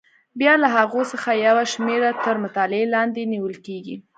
بیا له هغو څخه یوه شمېره تر مطالعې لاندې نیول کېږي.